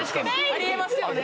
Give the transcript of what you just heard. ありえますよね